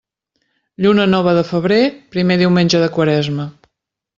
Lluna nova de febrer, primer diumenge de quaresma.